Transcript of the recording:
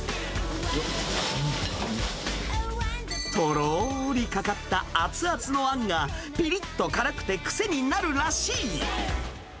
とろりかかった熱々のあんが、ぴりっと辛くて癖になるらしい。